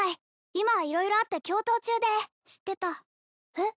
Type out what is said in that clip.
今は色々あって共闘中で知ってたえっ？